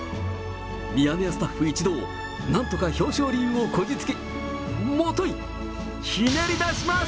ミヤネ屋スタッフ一同、なんとか表彰理由をこじつけ、もとい、ひねり出します。